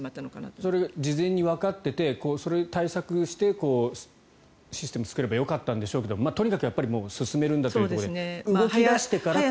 それが事前にわかっていてそれの対策をしてシステムを作ればよかったんでしょうけどとにかく進めるんだと動き出してからという。